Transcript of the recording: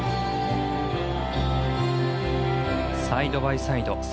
サイドバイサイド。